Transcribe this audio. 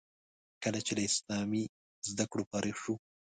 کله چې له اسلامي زده کړو فارغ شو.